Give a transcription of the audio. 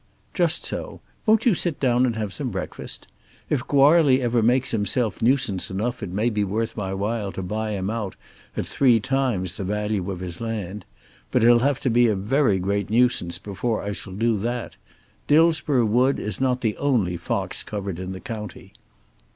"Just so. Won't you sit down and have some breakfast? If Goarly ever makes himself nuisance enough it may be worth my while to buy him out at three times the value of his land. But he'll have to be a very great nuisance before I shall do that. Dillsborough wood is not the only fox covert in the county."